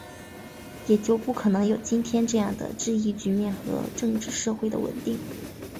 也就不可能有今天这样的治疫局面和政治社会的稳定